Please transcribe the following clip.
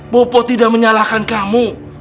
bopo tidak menyalahkan kamu